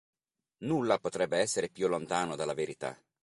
Nulla potrebbe essere più lontano dalla verità".